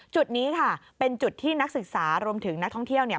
จุดนี้ค่ะเป็นจุดที่นักศึกษารวมถึงนักท่องเที่ยวเนี่ย